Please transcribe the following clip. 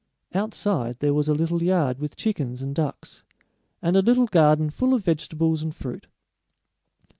Outside there was a little yard with chickens and ducks, and a little garden full of vegetables and fruit.